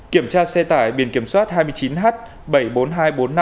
kiểm tra xe tải biển kiểm soát hai mươi chín h